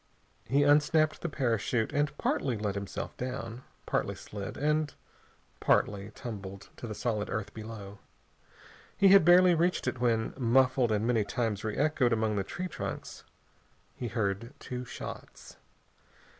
He unsnapped the parachute and partly let himself down, partly slid, and partly tumbled to the solid earth below. He had barely reached it when, muffled and many times reechoed among the tree trunks, he heard two shots.